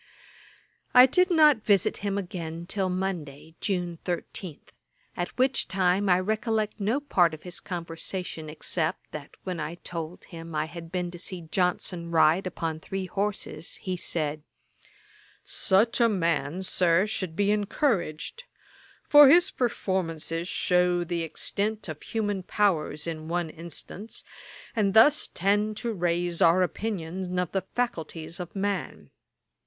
I did not visit him again till Monday, June 13, at which time I recollect no part of his conversation, except that when I told him I had been to see Johnson ride upon three horses, he said, 'Such a man, Sir, should be encouraged; for his performances shew the extent of the human powers in one instance, and thus tend to raise our opinion of the faculties of man.